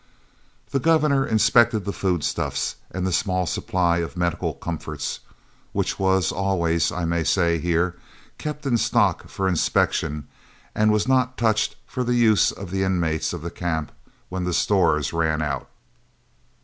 The Governor inspected the foodstuffs and the small supply of medical comforts (which was always, I may say here, kept in stock for inspection, and was not touched for the use of the inmates of the Camp, when the stores ran out).